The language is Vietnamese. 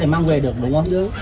rán để mang về được đúng không